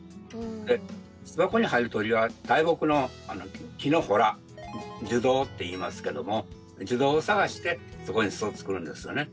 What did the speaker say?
巣箱に入る鳥は大木の木の洞樹洞っていいますけども樹洞を探してそこに巣を作るんですよね。